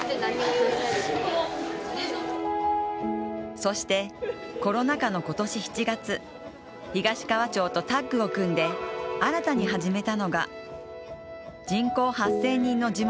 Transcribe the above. そして、コロナ禍の今年７月、東川町とタッグを組んで新たに始めたのが、人口８０００人の地元、